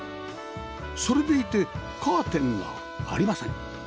それでいてカーテンがありません